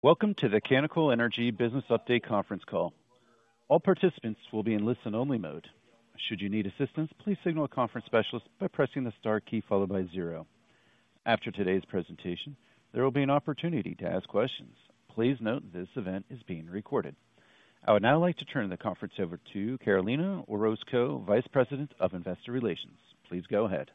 Welcome to the Canacol Energy Business Update Conference Call. All participants will be in listen-only mode. Should you need assistance, please signal a conference specialist by pressing the star key followed by zero. After today's presentation, there will be an opportunity to ask questions. Please note, this event is being recorded. I would now like to turn the conference over to Carolina Orozco, Vice President of Investor Relations. Please go ahead.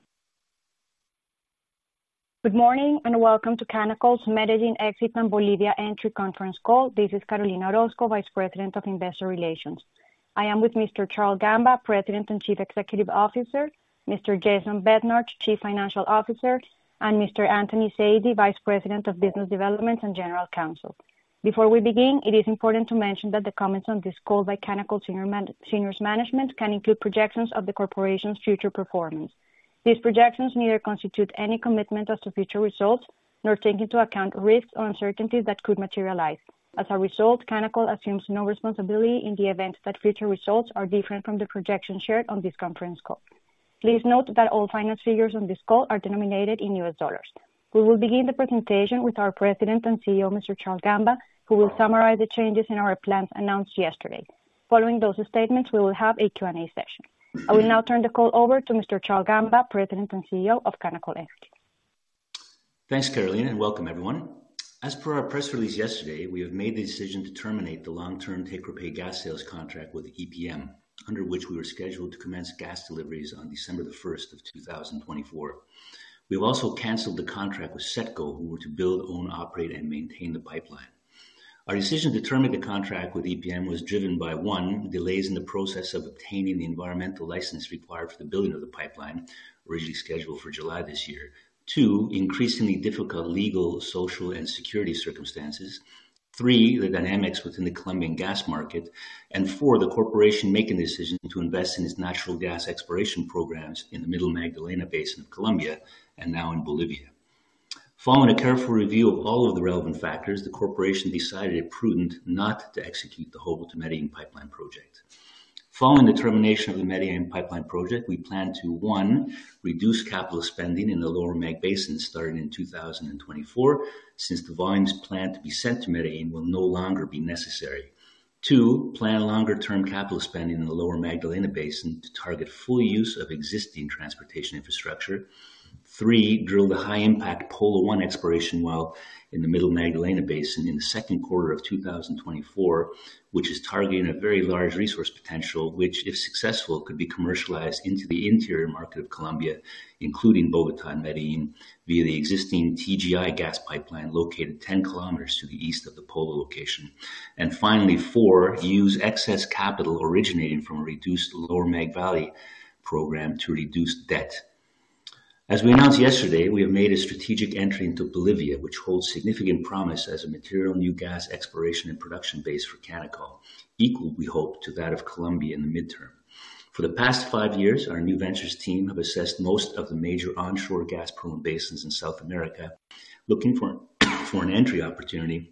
Good morning, and welcome to Canacol's Medellín Exit and Bolivia Entry Conference Call. This is Carolina Orozco, Vice President of Investor Relations. I am with Mr. Charles Gamba, President and Chief Executive Officer, Mr. Jason Bednar, Chief Financial Officer, and Mr. Anthony Zaidi, Vice President of Business Development and General Counsel. Before we begin, it is important to mention that the comments on this call by Canacol senior management can include projections of the Corporation's future performance. These projections neither constitute any commitment as to future results, nor take into account risks or uncertainties that could materialize. As a result, Canacol assumes no responsibility in the event that future results are different from the projections shared on this conference call. Please note that all financial figures on this call are denominated in U.S. dollars. We will begin the presentation with our President and CEO, Mr. Charles Gamba, who will summarize the changes in our plans announced yesterday. Following those statements, we will have a Q&A session. I will now turn the call over to Mr. Charles Gamba, President and CEO of Canacol Energy. Thanks, Carolina, and welcome, everyone. As per our press release yesterday, we have made the decision to terminate the long-term take-or-pay gas sales contract with EPM, under which we were scheduled to commence gas deliveries on December the 1st of 2024. We've also canceled the contract with SETCO, who were to build, own, operate, and maintain the pipeline. Our decision to terminate the contract with EPM was driven by: one, delays in the process of obtaining the environmental license required for the building of the pipeline, originally scheduled for July this year. Two, increasingly difficult legal, social, and security circumstances. Three, the dynamics within the Colombian gas market, and four, the Corporation making the decision to invest in its natural gas exploration programs in the Middle Magdalena Basin of Colombia and now in Bolivia. Following a careful review of all of the relevant factors, the corporation decided it prudent not to execute the whole Medellín pipeline project. Following the termination of the Medellín pipeline project, we plan to: one, reduce capital spending in the Lower Mag Basin, starting in 2024, since the volumes planned to be sent to Medellín will no longer be necessary. Two, plan longer-term capital spending in the Lower Magdalena Basin to target full use of existing transportation infrastructure. Three, drill the high-impact Polo-1 exploration well in the Middle Magdalena Basin in the second quarter of 2024, which is targeting a very large resource potential, which, if successful, could be commercialized into the interior market of Colombia, including Bogotá and Medellín, via the existing TGI gas pipeline located 10 km to the east of the Polo location. Finally, four, use excess capital originating from a reduced Lower Mag Valley program to reduce debt. As we announced yesterday, we have made a strategic entry into Bolivia, which holds significant promise as a material new gas exploration and production base for Canacol, equal, we hope, to that of Colombia in the midterm. For the past five years, our new ventures team have assessed most of the major onshore gas-prone basins in South America, looking for an entry opportunity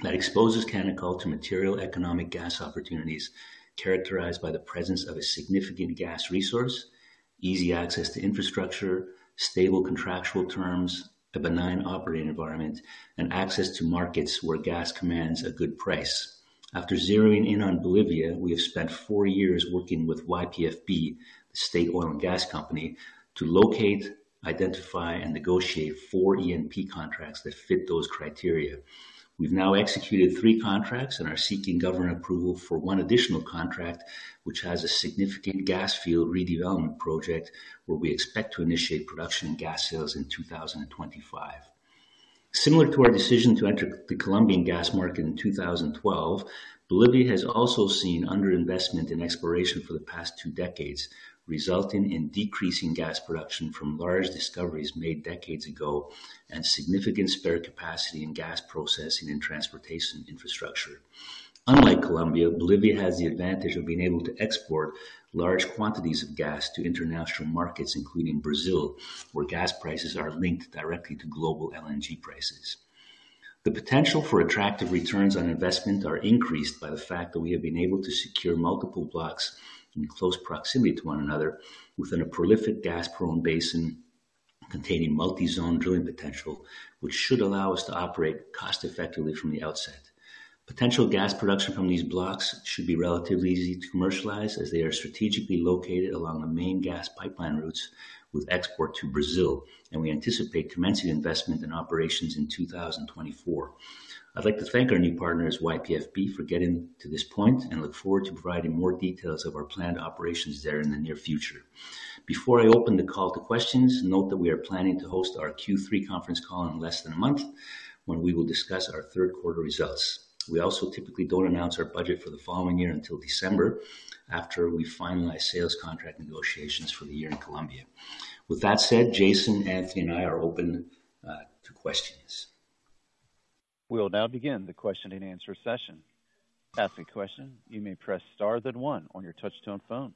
that exposes Canacol to material economic gas opportunities characterized by the presence of a significant gas resource, easy access to infrastructure, stable contractual terms, a benign operating environment, and access to markets where gas commands a good price. After zeroing in on Bolivia, we have spent four years working with YPFB, the state oil and gas company, to locate, identify, and negotiate four E&P contracts that fit those criteria. We've now executed three contracts and are seeking government approval for one additional contract, which has a significant gas field redevelopment project, where we expect to initiate production and gas sales in 2025. Similar to our decision to enter the Colombian gas market in 2012, Bolivia has also seen underinvestment in exploration for the past two decades, resulting in decreasing gas production from large discoveries made decades ago and significant spare capacity in gas processing and transportation infrastructure. Unlike Colombia, Bolivia has the advantage of being able to export large quantities of gas to international markets, including Brazil, where gas prices are linked directly to global LNG prices. The potential for attractive returns on investment are increased by the fact that we have been able to secure multiple blocks in close proximity to one another within a prolific gas-prone basin containing multi-zone drilling potential, which should allow us to operate cost-effectively from the outset. Potential gas production from these blocks should be relatively easy to commercialize, as they are strategically located along the main gas pipeline routes with export to Brazil, and we anticipate commencing investment in operations in 2024. I'd like to thank our new partners, YPFB, for getting to this point and look forward to providing more details of our planned operations there in the near future. Before I open the call to questions, note that we are planning to host our Q3 conference call in less than a month, when we will discuss our third quarter results. We also typically don't announce our budget for the following year until December, after we finalize sales contract negotiations for the year in Colombia. With that said, Jason, Anthony, and I are open to questions. We will now begin the question-and-answer session. To ask a question, you may press star, then one on your touch-tone phone.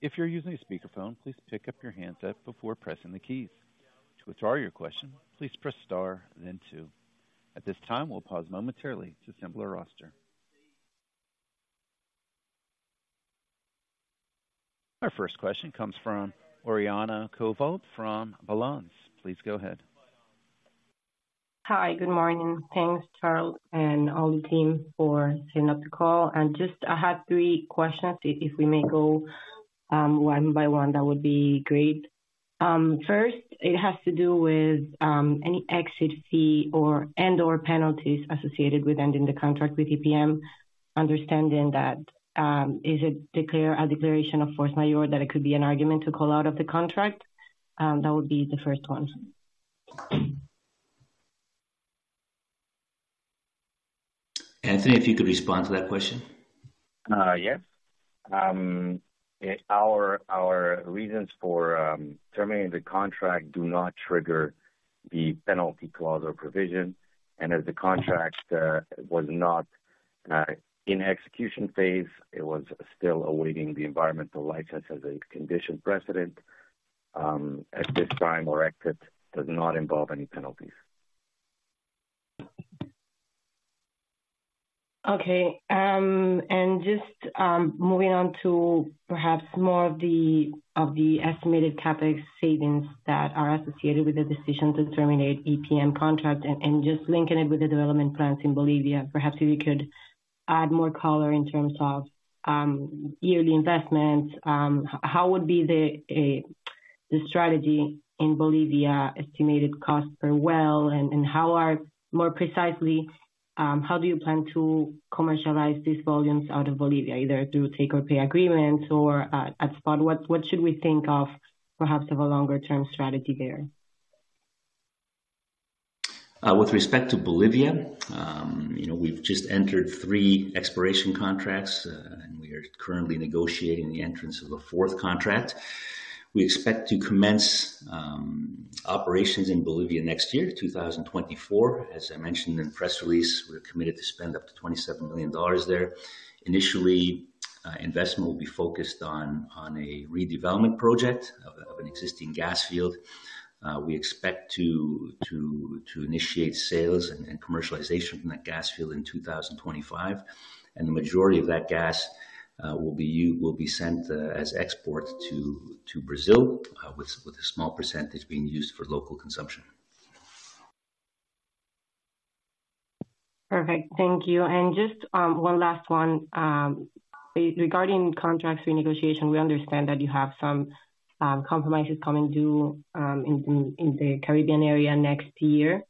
If you're using a speakerphone, please pick up your handset before pressing the keys. To withdraw your question, please press star, then two. At this time, we'll pause momentarily to assemble our roster. Our first question comes from Oriana Covault from Balanz. Please go ahead. Hi, good morning. Thanks, Charles and all the team for setting up the call. Just I had three questions. If we may go one by one, that would be great. First, it has to do with any exit fee or and/or penalties associated with ending the contract with EPM. Understanding that, is it a declaration of force majeure, that it could be an argument to call out of the contract? That would be the first one. Anthony, if you could respond to that question. Yes. Our reasons for terminating the contract do not trigger the penalty clause or provision. As the contract was not in execution phase, it was still awaiting the environmental license as a condition precedent. At this time our exit does not involve any penalties. Okay. Just moving on to perhaps more of the estimated CapEx savings that are associated with the decision to terminate EPM contract and just linking it with the development plans in Bolivia. Perhaps if you could add more color in terms of yearly investments, how would be the strategy in Bolivia, estimated costs per well, and more precisely, how do you plan to commercialize these volumes out of Bolivia? Either through take-or-pay agreements or at spot. What should we think of, perhaps of a longer-term strategy there? With respect to Bolivia, you know, we've just entered three exploration contracts, and we are currently negotiating the entrance of a fourth contract. We expect to commence operations in Bolivia next year, 2024. As I mentioned in the press release, we're committed to spend up to $27 million there. Initially, investment will be focused on a redevelopment project of an existing gas field. We expect to initiate sales and commercialization from that gas field in 2025, and the majority of that gas will be sent as exports to Brazil with a small percentage being used for local consumption. Perfect. Thank you. Just one last one. Regarding contracts renegotiation, we understand that you have some compromises coming due in the Caribbean area next year.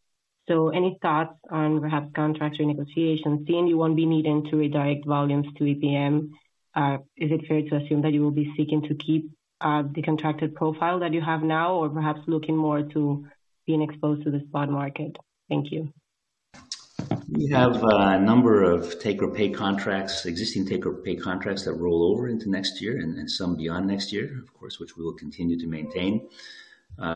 Any thoughts on perhaps contracts or negotiations, seeing you won't be needing to redirect volumes to EPM? Is it fair to assume that you will be seeking to keep the contracted profile that you have now, or perhaps looking more to being exposed to the spot market? Thank you. We have a number of take-or-pay contracts, existing take-or-pay contracts, that roll over into next year and some beyond next year, of course, which we will continue to maintain.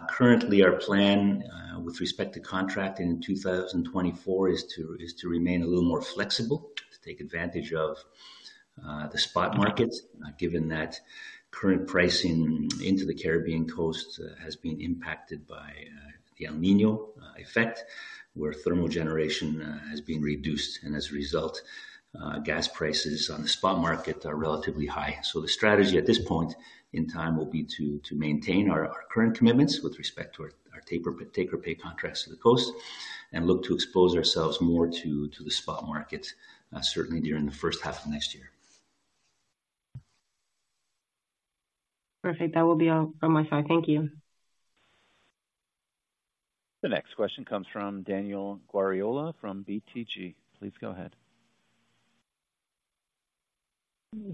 Currently, our plan with respect to contracting in 2024 is to remain a little more flexible, to take advantage of the spot markets, given that current pricing into the Caribbean coast has been impacted by the El Niño effect, where thermal generation has been reduced. As a result, gas prices on the spot market are relatively high. The strategy at this point in time will be to maintain our current commitments with respect to our take-or-pay contracts to the coast, and look to expose ourselves more to the spot market, certainly during the first half of next year. Perfect. That will be all from my side. Thank you. The next question comes from Daniel Guardiola from BTG. Please go ahead.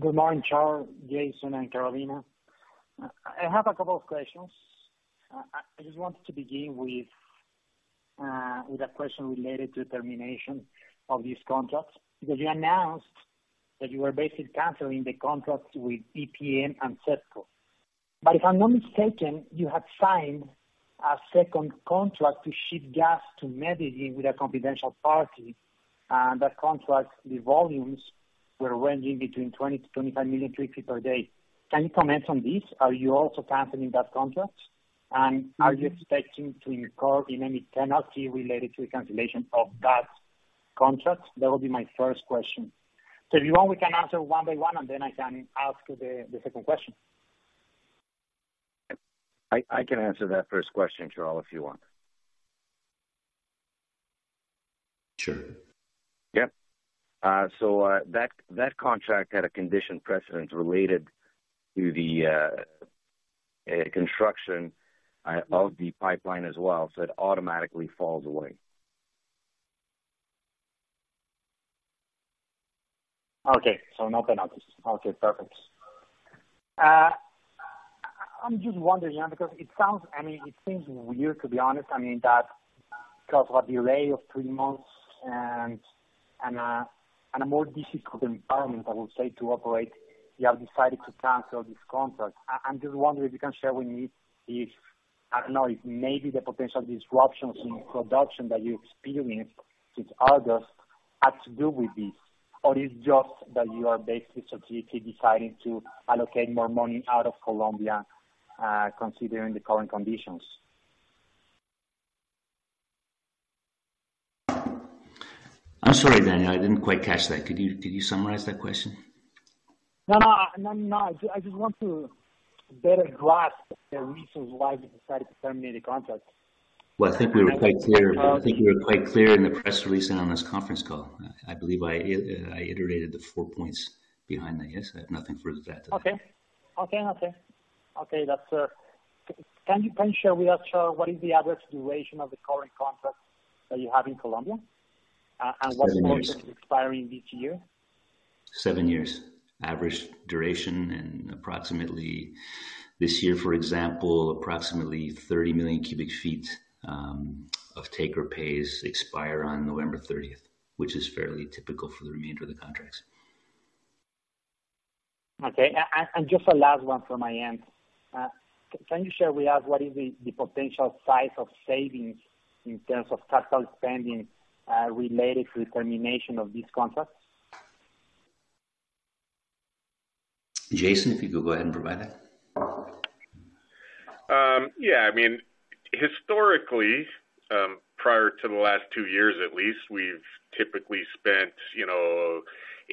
Good morning Charle, Jason, and Carolina. I have a couple of questions. I just wanted to begin with a question related to the termination of this contract, because you announced that you were basically canceling the contract with EPM and SETCO. If I'm not mistaken, you have signed a second contract to ship gas to Medellín with a confidential party, and that contract, the volumes were ranging between 20 million-25 million cubic per day. Can you comment on this? Are you also canceling that contract? Are you expecting to incur in any penalty related to the cancellation of that contract? That would be my first question. If you want, we can answer one by one, and then I can ask you the second question. I can answer that first question, Charle, if you want. Sure. Yeah. That contract had a condition precedent related to the construction of the pipeline as well, so it automatically falls away. Okay. No penalties. Okay, perfect. I'm just wondering, yeah, because it sounds, I mean, it seems weird, to be honest, I mean, that because of a delay of 3 months and a more difficult environment, I would say, to operate, you have decided to cancel this contract. I'm just wondering if you can share with me if, I don't know, if maybe the potential disruptions in production that you experienced since August had to do with this, or it's just that you are basically strategically deciding to allocate more money out of Colombia, considering the current conditions? I'm sorry, Daniel, I didn't quite catch that. Could you summarize that question? No, no, no, no, I just want to better grasp the reasons why you decided to terminate the contract. Well, I think we were quite clear in the press release and on this conference call. I believe I iterated the four points behind that. Yes, I have nothing further to add to that. Okay. Okay, okay. Okay. Can you share with us what is the average duration of the current contract that you have in Colombia? Seven years. Expiring this year? Seven years, average duration, and approximately this year, for example, approximately 30 million cubic feet of take-or-pays expire on November 30th, which is fairly typical for the remainder of the contracts. Okay, just a last one from my end. Can you share with us what is the potential size of savings in terms of capital spending related to the termination of this contract? Jason, if you could go ahead and provide that. ratio". * Wait, "2024 budget". * "2024 budget". * Wait, "I mean", "you know". * "I mean", "you know". * Wait, "Yeah". * "Yeah". * Wait, "prior to the last two years at least".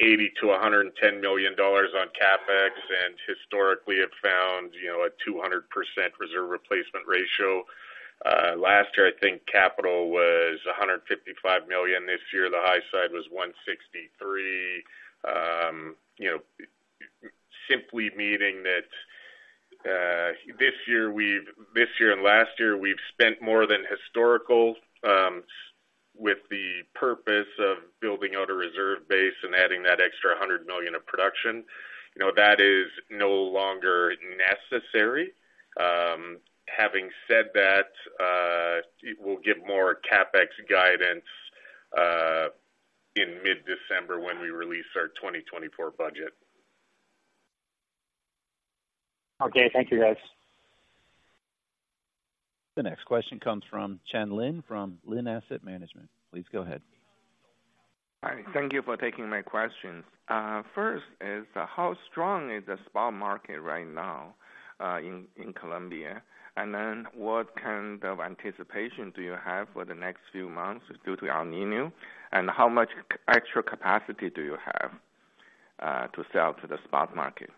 * "prior to the last two years at least". (Wait, "two" should be "two" or "two"? Rule: "Spell out numbers 1-9 in running text; use numerals for 10 and above." So "two" is correct). * Wait, "eighty to a hundred an Okay. Thank you, guys. The next question comes from Chen Lin from Lin Asset Management. Please go ahead. Hi, thank you for taking my questions. First is, how strong is the spot market right now in Colombia? What kind of anticipation do you have for the next few months due to El Niño? How much extra capacity do you have to sell to the spot market?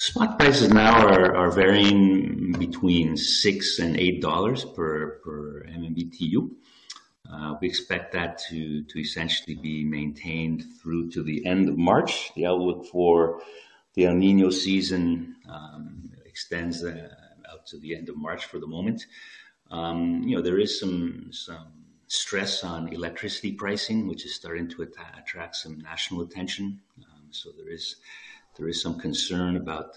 Spot prices now are varying between $6 and $8 per MMBTU. We expect that to essentially be maintained through to the end of March. The outlook for the El Niño season extends out to the end of March for the moment. You know, there is some stress on electricity pricing, which is starting to attract some national attention. There is some concern about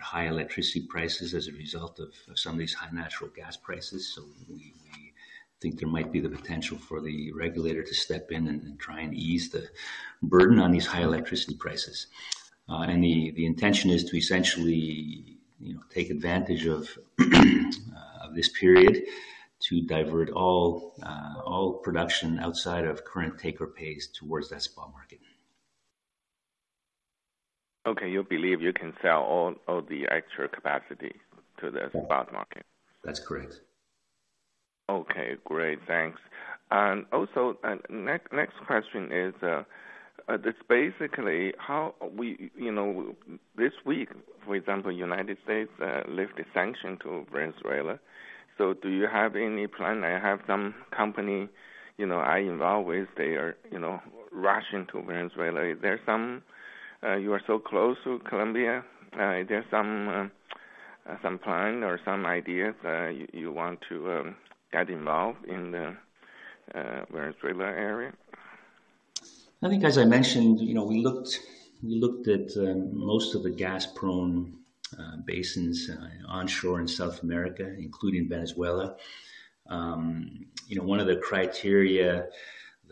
high electricity prices as a result of some of these high natural gas prices. We think there might be the potential for the regulator to step in and try and ease the burden on these high electricity prices. The intention is to essentially, you know, take advantage of this period to divert all production outside of current take-or-pays towards that spot market. Okay, you believe you can sell all the extra capacity to the- Yeah. Spot market? That's correct. Okay, great. Thanks. Also, next question is, you know, this week, for example, United States lifted sanction to Venezuela. Do you have any plan? I have some company, you know, I involve with. They are, you know, rushing to Venezuela. You are so close to Colombia. Is there some plan or some ideas you want to get involved in the Venezuela area? Glossary: "contractual stability". *Wait, "benign operating environment":* Spoken. Keep. *Wait, "I think, as I mentioned, you know, we looked, we looked at most of the gas-prone basins onshore in South America, including Venezuela."* Removed "uh" (3x). *Wait, "You know, one of the criteria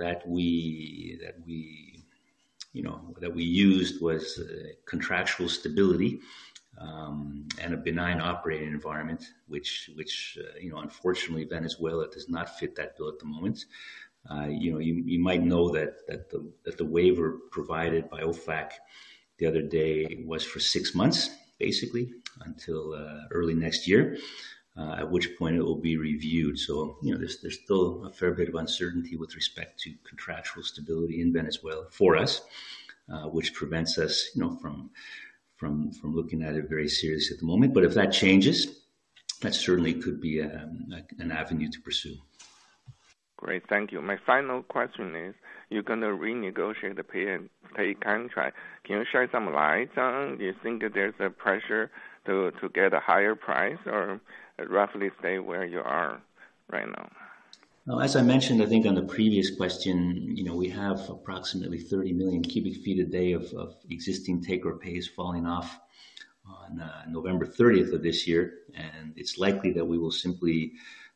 that we, that we, you know, that we used was contractual stability and a benign operating environment."* Removed "Um" (start), "uh", "um". *Wait, "Which, which, you know, unfortunately, Venezuela does not fit that bill at the moment."* Removed "uh". *Wait, "You know, you, you might know that the, that the waiver provided by OFAC the other day was for six months, basically, until early nex But if that changes, that certainly could be an avenue to pursue. Great, thank you. My final question is, you're gonna renegotiate the take-or-pay contract. Can you shed some light on? Do you think that there's a pressure to get a higher price or roughly stay where you are right now? Well, as I mentioned, I think on the previous question, you know, we have approximately 30 million cubic feet a day of existing take-or-pays falling off on November 30th of this year. It's likely that we will simply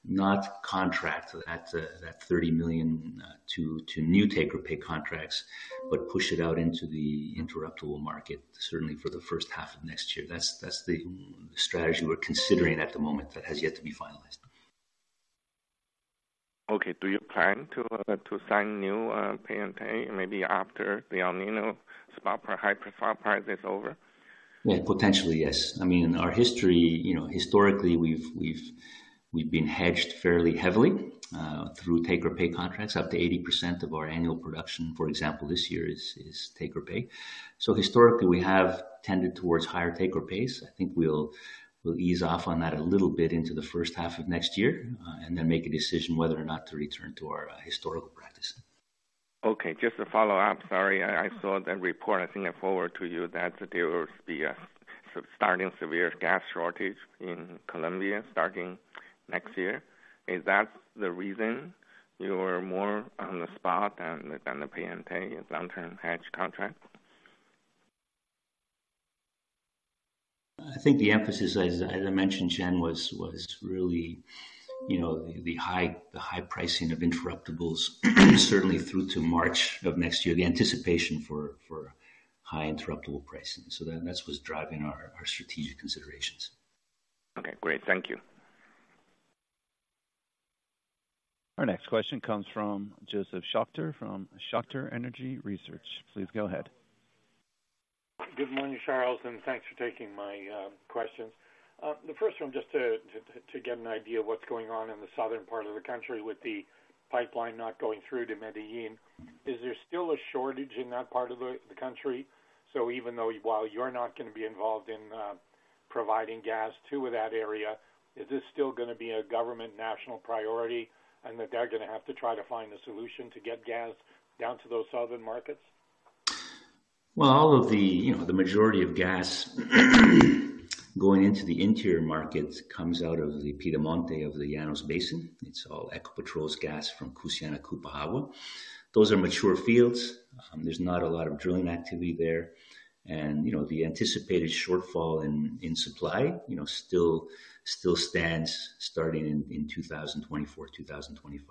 not contract at that 30 million to new take-or-pay contracts, but push it out into the interruptible market, certainly for the first half of next year. That's the strategy we're considering at the moment, that has yet to be finalized. Okay. Do you plan to sign new take-or-pay, maybe after the El Niño spot price, high price is over? Yeah, potentially, yes. I mean, our history, you know, historically, we've been hedged fairly heavily through take-or-pay contracts. Up to 80% of our annual production, for example, this year is take-or-pay. Historically, we have tended towards higher take-or-pays. I think we'll ease off on that a little bit into the first half of next year and then make a decision whether or not to return to our historical practice. as "pay and pay". Wait, "long-term". This is a standard term and should be hyphenated. Wait, "hedge contract". No hyphen. Wait, "gas shortage". No hyphen. Wait, "spot". No hyphen. Wait, "Colombia". I think the emphasis, as I mentioned, Chen, was really, you know, the high pricing of interruptibles, certainly through to March of next year, the anticipation for high interruptible pricing. That's what's driving our strategic considerations. Okay, great. Thank you. Our next question comes from Joseph Schachter from Schachter Energy Research. Please go ahead. volved in providing gas to that area, is this still gonna be a government national priority, You know, the anticipated shortfall in supply, you know, still stands starting in 2024-2025. You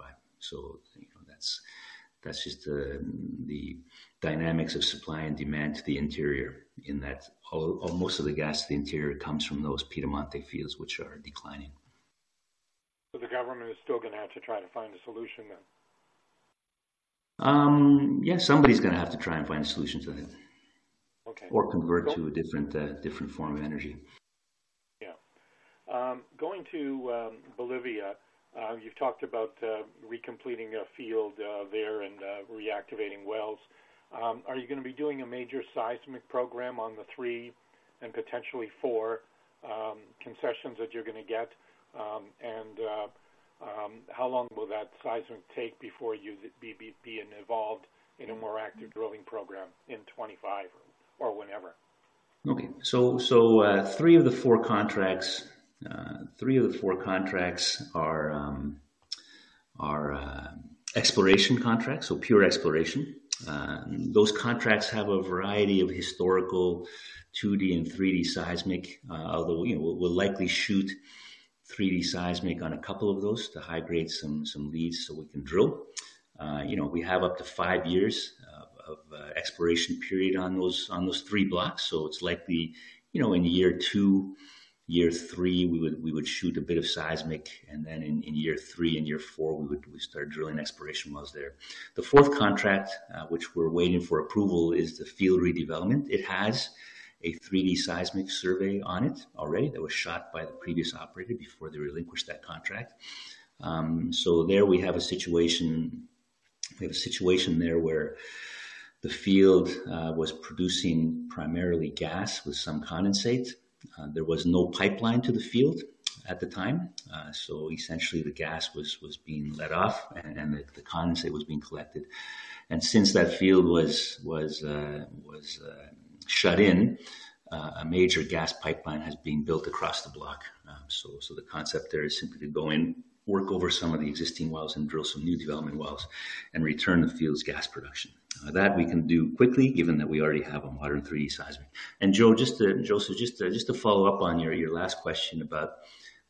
know, that's just the dynamics of supply and demand to the interior in that most of the gas to the interior comes from those Piedemonte fields, which are declining. The government is still gonna have to try to find a solution then? Yeah, somebody's gonna have to try and find a solution to that. Okay. Convert to a different form of energy. Yeah. Going to Bolivia. You've talked about recompleting a field there and reactivating wells. Are you gonna be doing a major seismic program on the three and potentially four concessions that you're gonna get? How long will that seismic take before you be involved in a more active drilling program in 2025 or whenever? Three of the four contracts are exploration contracts, so pure exploration. Those contracts have a variety of historical 2D and 3D seismic, although, you know, we'll likely shoot 3D seismic on a couple of those to high-grade some leads so we can drill. You know, we have up to five years of exploration period on those three blocks, so it's likely, you know, in year two, year three, we would shoot a bit of seismic, and then in year three and year four, we would start drilling exploration wells there. The fourth contract, which we're waiting for approval, is the field redevelopment. It has a 3D seismic survey on it already that was shot by the previous operator before they relinquished that contract. There we have a situation where the field was producing primarily gas with some condensate. There was no pipeline to the field at the time, so essentially the gas was being let off and the condensate was being collected. Since that field was shut in, a major gas pipeline has been built across the block. The concept there is simply to go in, work over some of the existing wells and drill some new development wells and return the field's gas production. That we can do quickly, given that we already have a modern 3D seismic. Joseph, just to follow up on your last question about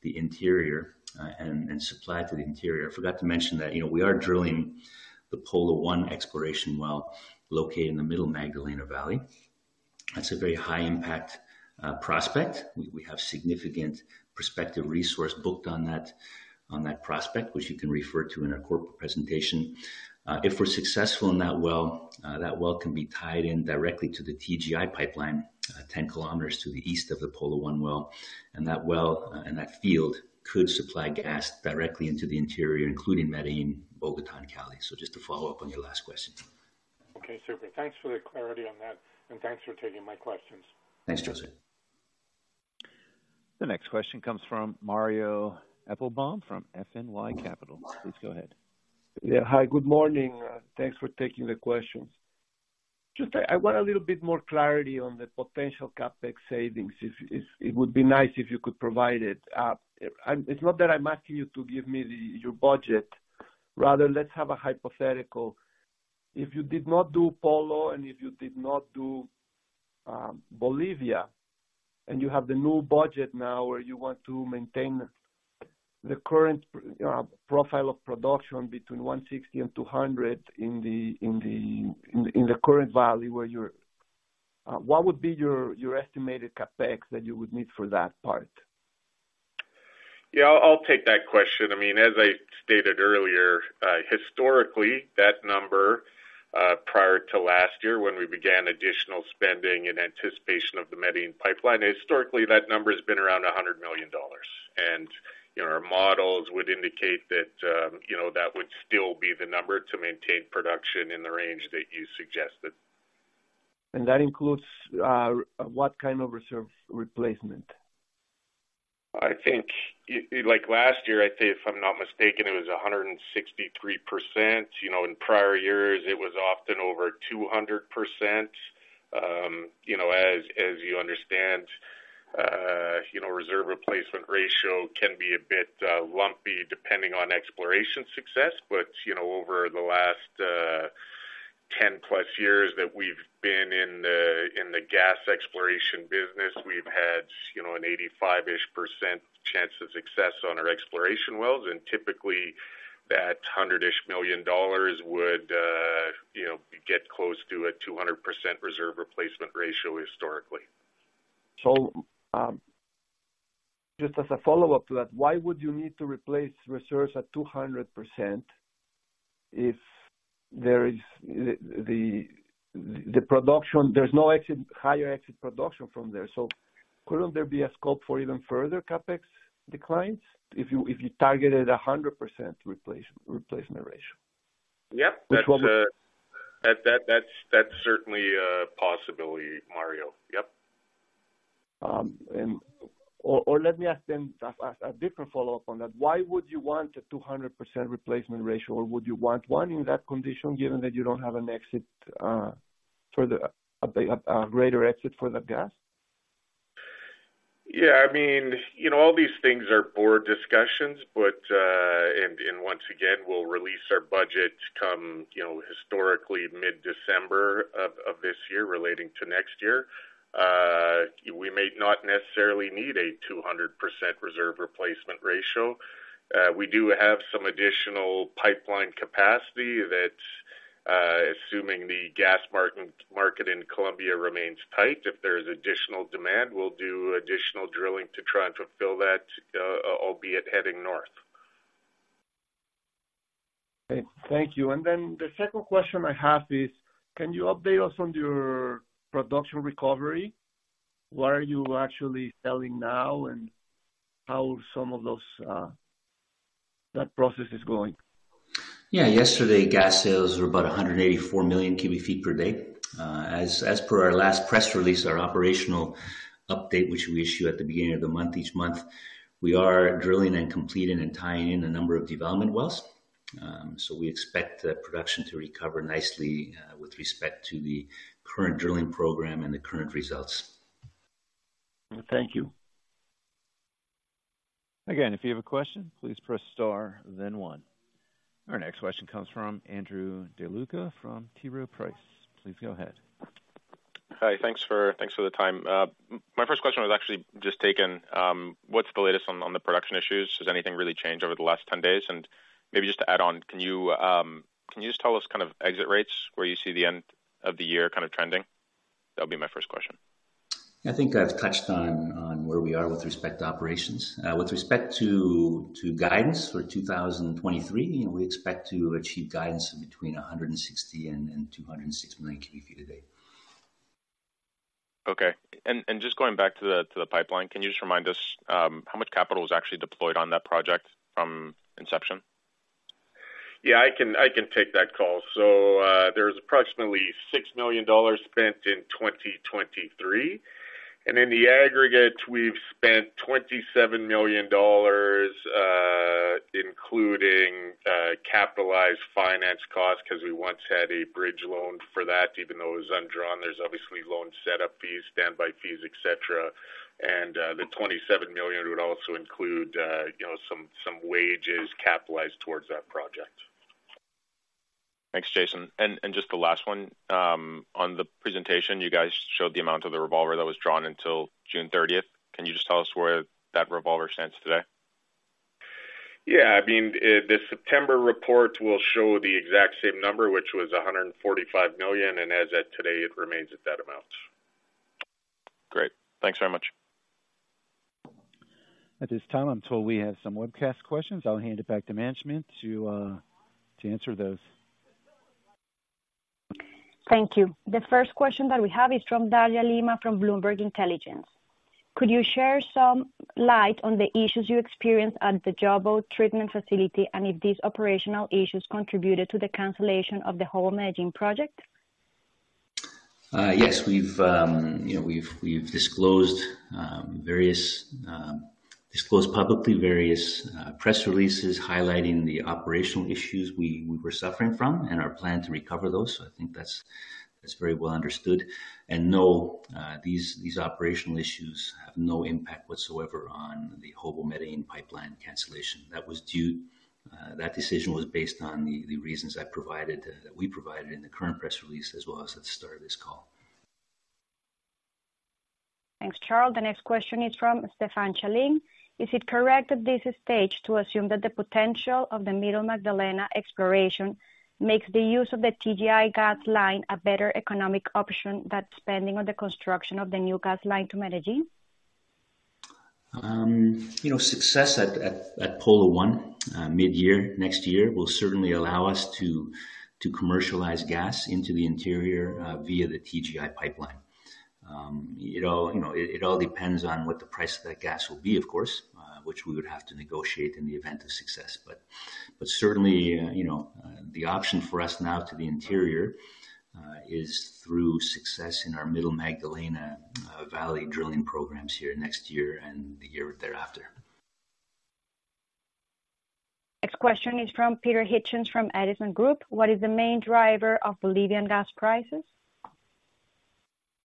the interior and supply to the interior. I forgot to mention that, you know, we are drilling the Polo-1 exploration well located in the Middle Magdalena Valley. It's a very high-impact prospect. We have significant prospective resource booked on that prospect, which you can refer to in our corporate presentation. If we're successful in that well, that well can be tied in directly to the TGI pipeline, 10 km to the east of the Polo-1 well. That well and that field could supply gas directly into the interior, including Medellín, Bogotá, and Cali. Just to follow up on your last question. Okay, super. Thanks for the clarity on that, and thanks for taking my questions. Thanks, Joseph. The next question comes from Mario Epelbaum from FNY Capital. Please go ahead. Yeah. Hi, good morning. Thanks for taking the question. Just I want a little bit more clarity on the potential CapEx savings. It would be nice if you could provide it. It's not that I'm asking you to give me your budget. Rather, let's have a hypothetical. If you did not do Polo and if you did not do Bolivia, and you have the new budget now, where you want to maintain the current profile of production between 160 and 200 in the current value, what would be your estimated CapEx that you would need for that part? Yeah, I'll take that question. I mean, as I stated earlier, historically, that number, prior to last year, when we began additional spending in anticipation of the Medellín pipeline, historically, that number has been around $100 million. You know, our models would indicate that, you know, that would still be the number to maintain production in the range that you suggested. That includes what kind of reserve replacement? I think, like last year, I'd say, if I'm not mistaken, it was a 163%. You know, in prior years, it was often over 200%. You know, as you understand, you know, reserve replacement ratio can be a bit lumpy, depending on exploration success. You know, over the last 10+ years that we've been in the gas exploration business, we've had, you know, an 85%-ish chance of success on our exploration wells. Typically, that $100-ish million would, you know, get close to a 200% reserve replacement ratio historically. Just as a follow-up to that, why would you need to replace reserves at 200% if there is the production, there's no exit, higher exit production from there? Couldn't there be a scope for even further CapEx declines if you targeted a 100% replacement ratio? Yep. Which one- That's certainly a possibility, Mario. Yep. Let me ask then a different follow-up on that. Why would you want a 200% replacement ratio, or would you want one in that condition, given that you don't have an exit for a greater exit for that gas? Yeah, I mean, you know, all these things are board discussions. Once again, we'll release our budget come, you know, historically, mid-December of this year relating to next year. We may not necessarily need a 200% reserve replacement ratio. We do have some additional pipeline capacity that, assuming the gas market in Colombia remains tight, if there is additional demand, we'll do additional drilling to try and fulfill that, albeit heading north. Okay, thank you. The second question I have is: Can you update us on your production recovery? What are you actually selling now, and how that process is going? Yeah. Yesterday, gas sales were about 184 million cubic feet per day. As per our last press release, our operational update, which we issue at the beginning of the month, each month, we are drilling and completing and tying in a number of development wells. We expect the production to recover nicely with respect to the current drilling program and the current results. Thank you. Again, if you have a question, please press star then one. Our next question comes from Andrew DeLuca from T. Rowe Price. Please go ahead. Hi, thanks for the time. My first question was actually just taken. What's the latest on the production issues? Has anything really changed over the last 10 days? Maybe just to add on, can you just tell us kind of exit rates, where you see the end of the year kind of trending? That'll be my first question. I think I've touched on where we are with respect to operations. With respect to guidance for 2023, we expect to achieve guidance between 160 million cubic feet a day and 260 million cubic feet a day. "remind us, um, how much" * "um" is a filler. Remove. * Final check on "And, and". * "Okay. And Yeah, I can take that call. There's approximately $6 million spent in 2023. In the aggregate, we've spent $27 million, including capitalized finance costs, because we once had a bridge loan for that, even though it was undrawn. There's obviously loan setup fees, standby fees, et cetera. The $27 million would also include, you know, some wages capitalized towards that project. Thanks, Jason. Just the last one, on the presentation, you guys showed the amount of the revolver that was drawn until June 30th. Can you just tell us where that revolver stands today? Yeah, I mean, the September report will show the exact same number, which was 145 million, and as of today, it remains at that amount. Great. Thanks very much. At this time, I'm told we have some webcast questions. I'll hand it back to management to answer those. Thank you. The first question that we have is from Dalia Lima, from Bloomberg Intelligence. Could you share some light on the issues you experienced at the Jobo treatment facility, and if these operational issues contributed to the cancellation of the whole Medellín project? Yes. We've, you know, we've disclosed various, disclosed publicly various press releases highlighting the operational issues we were suffering from and our plan to recover those. I think that's very well understood. No, these operational issues have no impact whatsoever on the Jobo-Medellín pipeline cancellation. That decision was based on the reasons I provided, that we provided in the current press release, as well as at the start of this call. Thanks, Charles. The next question is from Stefan Chaling. Is it correct at this stage to assume that the potential of the Middle Magdalena exploration makes the use of the TGI gas line a better economic option than spending on the construction of the new gas line to Medellín? You know, success at Polo-1 mid-year next year will certainly allow us to commercialize gas into the interior via the TGI pipeline. It all, you know, it all depends on what the price of that gas will be, of course, which we would have to negotiate in the event of success. But certainly, you know, the option for us now to the interior is through success in our Middle Magdalena Valley drilling programs here next year and the year thereafter. Next question is from Peter Hitchens, from Edison Group. What is the main driver of Bolivian gas prices?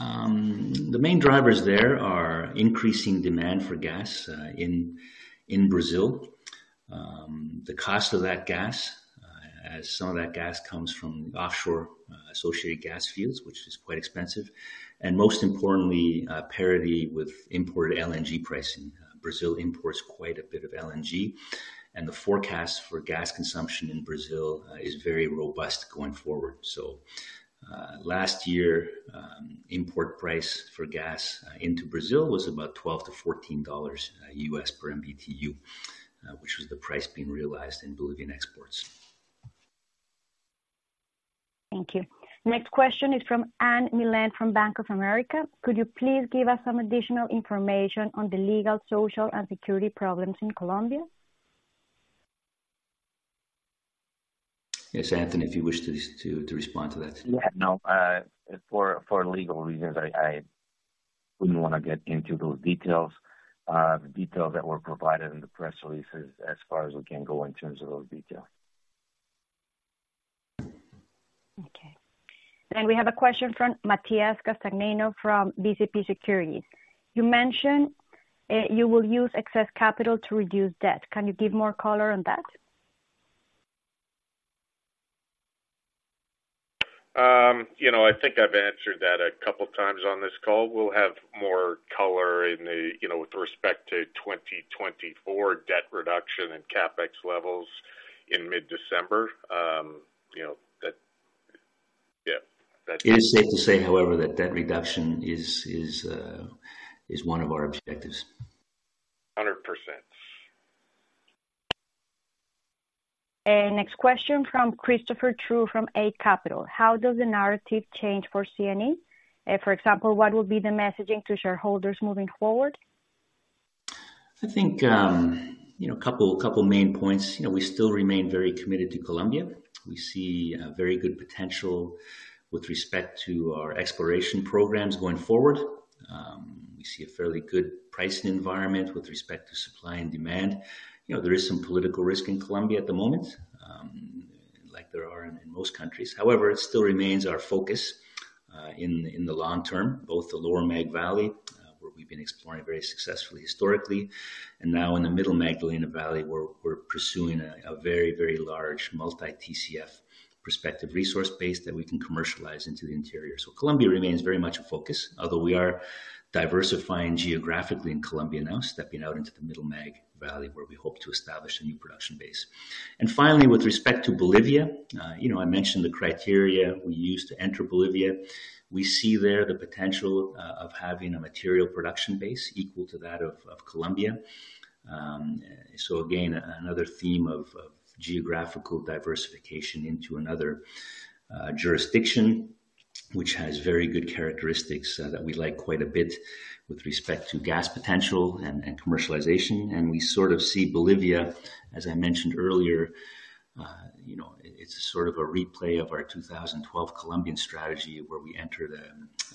The main drivers there are increasing demand for gas in Brazil, the cost of that gas, as some of that gas comes from offshore associated gas fields, which is quite expensive, and most importantly, parity with imported LNG pricing. Brazil imports quite a bit of LNG, and the forecast for gas consumption in Brazil is very robust going forward. Last year, import price for gas into Brazil was about $12-$14 per MMBtu, which was the price being realized in Bolivian exports. Thank you. Next question is from Anne Milne, from Bank of America. Could you please give us some additional information on the legal, social, and security problems in Colombia? Yes, Anthony, if you wish to respond to that. Yeah, no, for legal reasons, I wouldn't wanna get into those details. The details that were provided in the press releases, as far as we can go in terms of those details. Okay. We have a question from Matias Castagnino, from BCP Securities. You mentioned you will use excess capital to reduce debt. Can you give more color on that? You know, I think I've answered that a couple times on this call. We'll have more color in the, you know, with respect to 2024 debt reduction and CapEx levels in mid-December. It is safe to say, however, that debt reduction is one of our objectives. Hundred perce Next question from Christopher Tu, from Eight Capital. How does the narrative change for CNE? For example, what will be the messaging to shareholders moving forward? I think, you know, a couple main points. You know, we still remain very committed to Colombia. We see a very good potential with respect to our exploration programs going forward. We see a fairly good pricing environment with respect to supply and demand. You know, there is some political risk in Colombia at the moment, like there are in most countries. However, it still remains our focus in the long term, both the Lower Mag Valley, where we've been exploring very successfully historically, and now in the Middle Magdalena Valley, where we're pursuing a very, very large multi TCF prospective resource base that we can commercialize into the interior. Colombia remains very much a focus, although we are diversifying geographically in Colombia now, stepping out into the Middle Mag Valley, where we hope to establish a new production base. Finally, with respect to Bolivia, you know, I mentioned the criteria we used to enter Bolivia. We see there the potential of having a material production base equal to that of Colombia. Again, another theme of geographical diversification into another jurisdiction, which has very good characteristics that we like quite a bit with respect to gas potential and commercialization. We sort of see Bolivia, as I mentioned earlier, you know, it's sort of a replay of our 2012 Colombian strategy, where we entered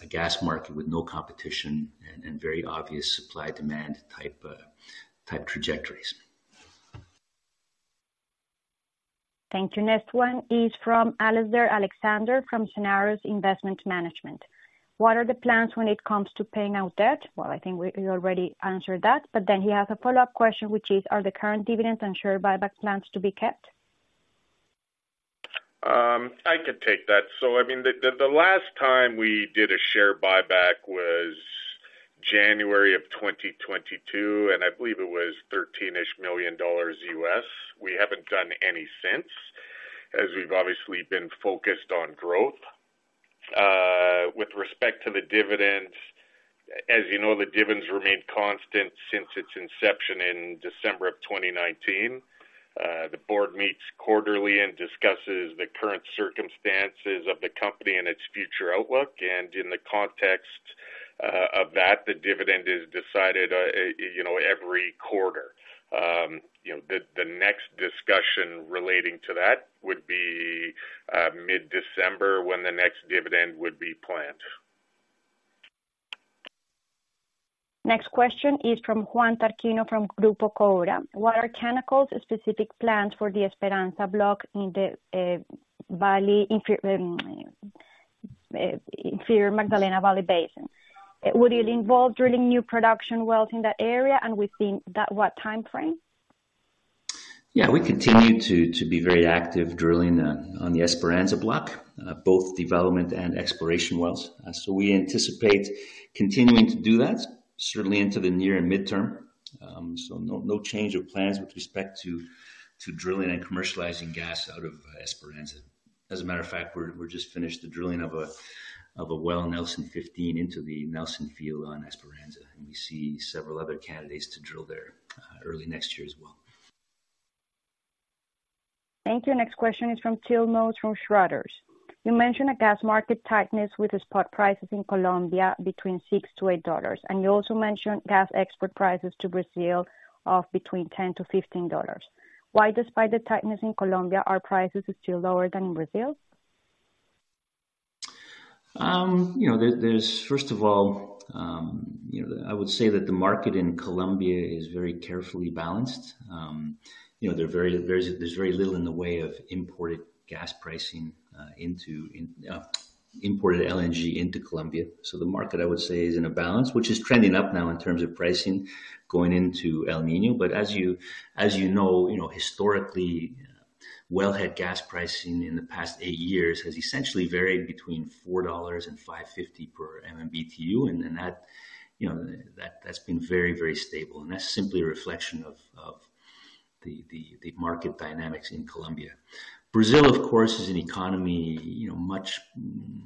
a gas market with no competition and very obvious supply-demand type trajectories. Thank you. Next one is from Alistair Alexander from Genarus Investment Management. What are the plans when it comes to paying out debt? Well, I think you already answered that, but then he has a follow-up question, which is: Are the current dividends and share buyback plans to be kept? I could take that. I mean, the last time we did a share buyback was January of 2022, and I believe it was $13-ish million. We haven't done any since, as we've obviously been focused on growth. With respect to the dividends, as you know, the dividends remained constant since its inception in December of 2019. The board meets quarterly and discusses the current circumstances of the company and its future outlook, and in the context of that, the dividend is decided, you know, every quarter. You know, the next discussion relating to that would be mid-December, when the next dividend would be planned. Next question is from Juan Tarquino from Corficolombiana. What are Canacol's specific plans for the Esperanza Block in the valley in Lower Magdalena Valley Basin? Would it involve drilling new production wells in that area, and within that, what timeframe? Yeah, we continue to be very active drilling on the Esperanza Block, both development and exploration wells. We anticipate continuing to do that, certainly into the near and midterm. No change of plans with respect to drilling and commercializing gas out of Esperanza. As a matter of fact, we're just finished the drilling of a well, Nelson 15, into the Nelson field on Esperanza, and we see several other candidates to drill there early next year as well. Thank you. Next question is from Till Moewes from Schroders. You mentioned a gas market tightness with the spot prices in Colombia between $6-$8, and you also mentioned gas export prices to Brazil of between $10-$15. Why, despite the tightness in Colombia, are prices still lower than in Brazil? You know, there's first of all, you know, I would say that the market in Colombia is very carefully balanced. You know, there's very little in the way of imported gas pricing, imported LNG into Colombia. The market, I would say, is in a balance, which is trending up now in terms of pricing going into El Niño. As you know, you know, historically, wellhead gas pricing in the past 8 years has essentially varied between $4 and $5.50 per MMBTU. That, you know, that's been very, very stable, and that's simply a reflection of the market dynamics in Colombia. Brazil, of course, is an economy, you know, much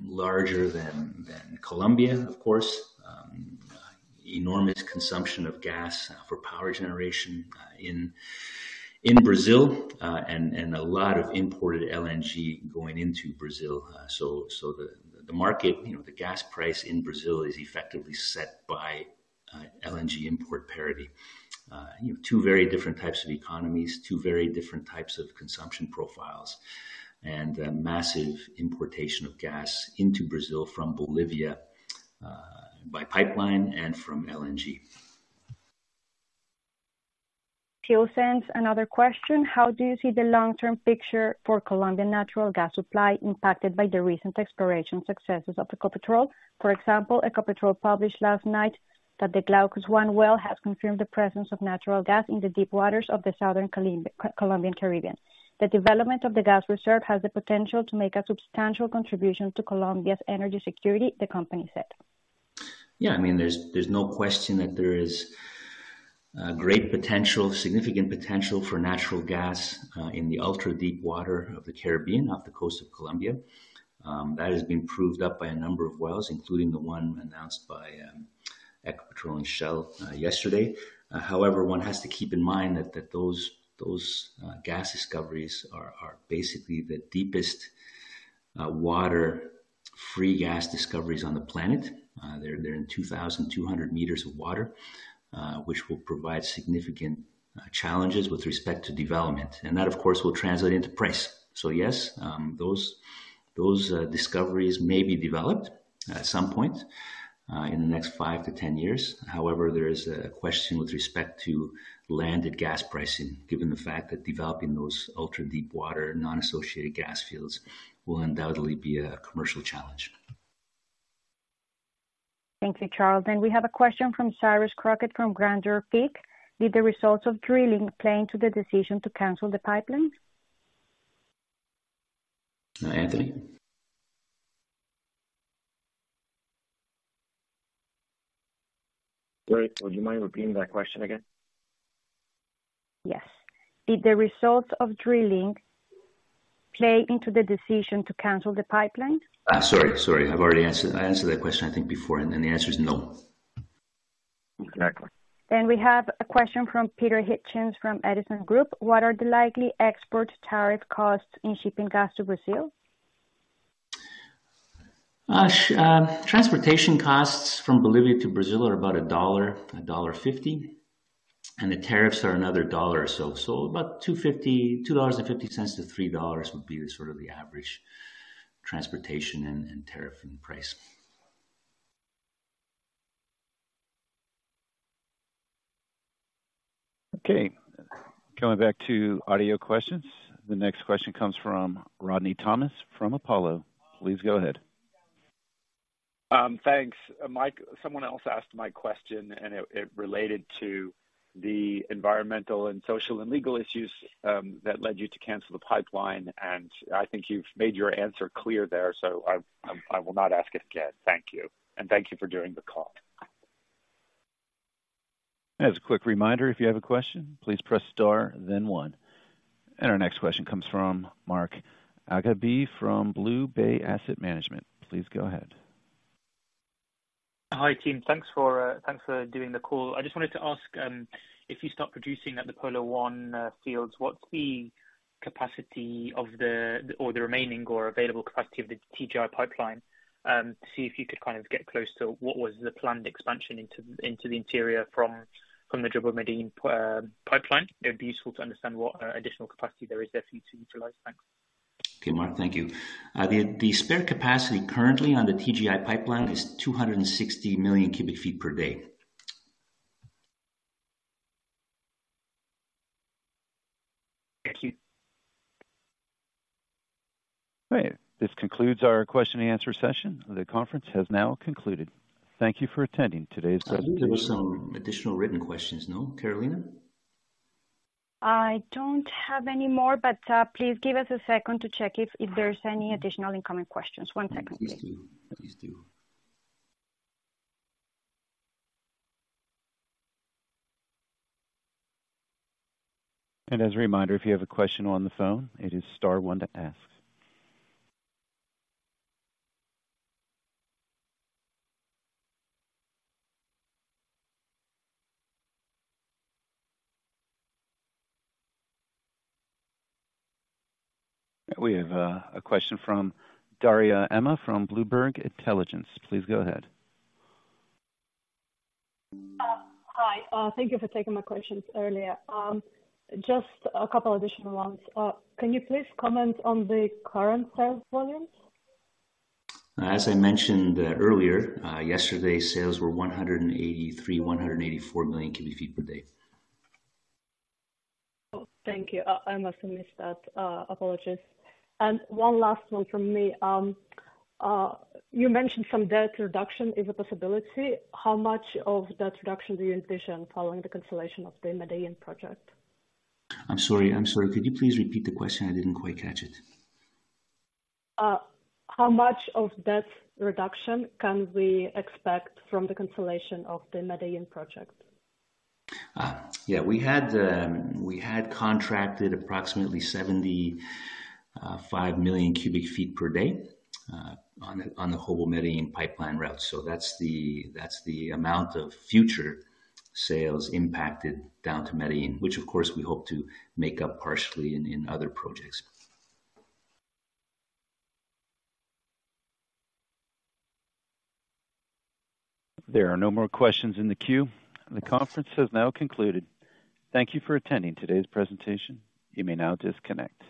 larger than Colombia, of course. Enormous consumption of gas for power generation in Brazil and a lot of imported LNG going into Brazil. The market, you know, the gas price in Brazil is effectively set by LNG import parity. You know, two very different types of economies, two very different types of consumption profiles, and a massive importation of gas into Brazil from Bolivia by pipeline and from LNG. Till sends another question: How do you see the long-term picture for Colombian natural gas supply impacted by the recent exploration successes of Ecopetrol? For example, Ecopetrol published last night that the Glaucus-1 well has confirmed the presence of natural gas in the deep waters of the southern Colombian Caribbean. "The development of the gas reserve has the potential to make a substantial contribution to Colombia's energy security," the company said. Yeah, I mean, there's no question that there is great potential, significant potential for natural gas in the ultra-deepwater of the Caribbean, off the coast of Colombia. That has been proved up by a number of wells, including the one announced by Ecopetrol and Shell yesterday. However, one has to keep in mind that those gas discoveries are basically the deepest water-free gas discoveries on the planet. They're in 2,200 m of water, which will provide significant challenges with respect to development. That, of course, will translate into price. Yes, those discoveries may be developed at some point in the next 5-10 years. However, there is a question with respect to landed gas pricing, given the fact that developing those ultra-deepwater, non-associated gas fields will undoubtedly be a commercial challenge. Thank you, Charles. We have a question from Cyrus Crockett from Grandeur Peak. Did the results of drilling play into the decision to cancel the pipeline? Uh, Anthony? Sorry, would you mind repeating that question again? Yes. Did the results of drilling play into the decision to cancel the pipeline? Sorry, sorry. I've already answered. I answered that question, I think, before, and the answer is no. Exactly. We have a question from Peter Hitchens, from Edison Group. What are the likely export tariff costs in shipping gas to Brazil? Transportation costs from Bolivia to Brazil are about $1, $1.50, and the tariffs are another $1 or so. About $2.50, $2.50-$3 would be the sort of the average transportation and tariff and price. Okay, coming back to audio questions. The next question comes from Rodney Thomas from Apollo. Please go ahead. Thanks, Mike. Someone else asked my question, and it related to the environmental and social and legal issues that led you to cancel the pipeline, and I think you've made your answer clear there, so I will not ask it again. Thank you, and thank you for doing the call. As a quick reminder, if you have a question, please press star, then one. Our next question comes from Mark Agabi from BlueBay Asset Management. Please go ahead. Hi, team. Thanks for doing the call. I just wanted to ask if you start producing at the Polo-1 fields, what's the capacity of the or the remaining or available capacity of the TGI pipeline? See if you could kind of get close to what was the planned expansion into the interior from the Jobo-Medellín pipeline. It'd be useful to understand what additional capacity there is there for you to utilize. Thanks. Okay, Mark, thank you. The spare capacity currently on the TGI pipeline is 260 million cubic feet per day. Thank you. Great. This concludes our question and answer session. The conference has now concluded. Thank you for attending today's session. I think there were some additional written questions, no, Carolina? I don't have any more, but please give us a second to check if there's any additional incoming questions. One second, please. Please do. Please do. As a reminder, if you have a question on the phone, it is star one to ask. We have a question from Dalia Lima from Bloomberg Intelligence. Please go ahead. Hi. Thank you for taking my questions earlier. Just a couple additional ones. Can you please comment on the current sales volumes? As I mentioned earlier, yesterday, sales were 183, 184 million cubic feet per day. Oh, thank you. I must have missed that. Apologies. One last one from me. You mentioned some debt reduction is a possibility. How much of debt reduction do you envision following the cancellation of the Medellín project? check the "US English" for "sorry". * Wait, I already did that How much of debt reduction can we expect from the cancellation of the Medellín project? Yeah, we had contracted approximately 75 million cubic feet per day on the whole Medellín pipeline route. That's the amount of future sales impacted down to Medellín, which, of course, we hope to make up partially in other projects. There are no more questions in the queue. The conference has now concluded. Thank you for attending today's presentation. You may now disconnect.